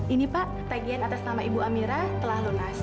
ini pak tagian atas nama ibu amira telah lunas